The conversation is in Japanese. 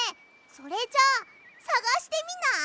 それじゃあさがしてみない？